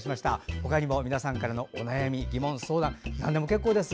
他にも皆さんからのお悩み疑問、相談、何でも結構です。